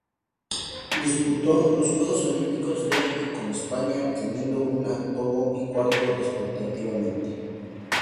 Disputó los Juegos Olímpicos de y con España, obteniendo un octavo y cuarto, respectivamente.